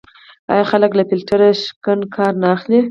آیا خلک له فیلټر شکن کار نه اخلي؟